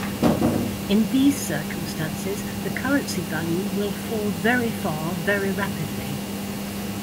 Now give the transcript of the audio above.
In these circumstances, the currency value will fall very far very rapidly.